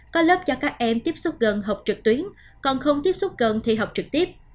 có lớp cho các em tiếp xúc gần học trực tuyến còn không tiếp xúc gần thi học trực tiếp